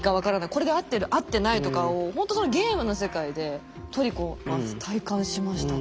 これで合ってる合ってないとかをほんとそのゲームの世界で「トリコ」は体感しましたね。